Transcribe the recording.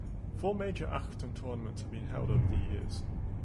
Four major "Achtung" tournaments have been held over the years.